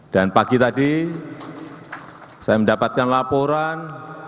dan pagi tadi saya mendapatkan laporan